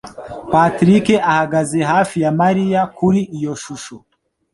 Patrick ahagaze hafi ya Mariya kuri iyo shusho.